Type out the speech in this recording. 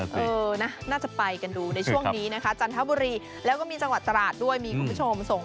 แฟนแบบนี้เลยอยากจะฮิวตระก้าไปเลยคุณ